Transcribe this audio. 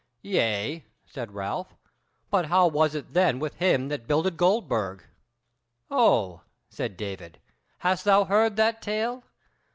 "Yea," said Ralph, "but how was it then with him that builded Goldburg?" "O," said David, "hast thou heard that tale?